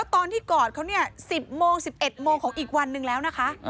ตอนที่กอดเขาเนี่ย๑๐โมง๑๑โมงของอีกวันหนึ่งแล้วนะคะ